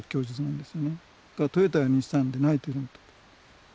それからトヨタやニッサンでないというのと。